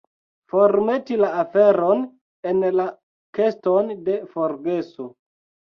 Formeti la aferon en la keston de forgeso.